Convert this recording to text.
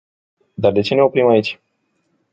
Dar de ce să ne oprim aici?